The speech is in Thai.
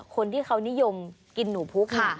คนที่เขานิยมกินนูพุก